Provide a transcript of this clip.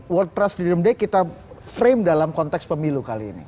world press freedom day kita frame dalam konteks pemilu kali ini